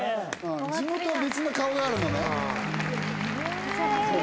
地元は別の顔があるのね。